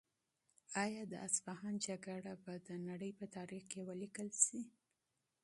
آیا د اصفهان جګړه به د نړۍ په تاریخ کې ولیکل شي؟